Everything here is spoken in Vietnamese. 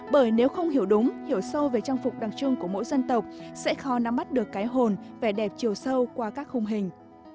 bởi nếu không hiểu đúng hiểu sâu về trang phục đặc trưng của mỗi dân tộc sẽ khó nắm bắt được cái hồn vẻ đẹp chiều sâu qua các khung hình